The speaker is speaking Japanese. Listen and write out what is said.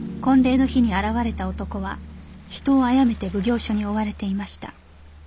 婚礼の日に現れた男は人を殺めて奉行所に追われていました。